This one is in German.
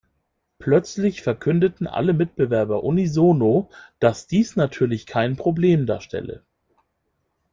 Plötzlich verkündeten alle Mitbewerber unisono, dass dies natürlich kein Problem darstelle.